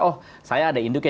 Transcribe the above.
oh saya ada induknya